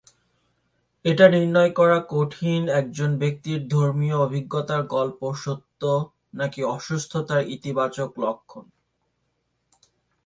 এটা নির্ণয় করা কঠিন একজন ব্যক্তির ধর্মীয় অভিজ্ঞতার গল্প সত্য; নাকি অসুস্থতার ইতিবাচক লক্ষণ।